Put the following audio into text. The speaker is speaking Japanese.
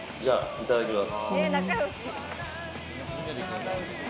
いただきます。